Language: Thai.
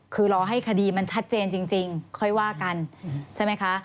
คือรอให้คดีมันชัดเจนจริงค่อยว่ากันใช่ไหมคะ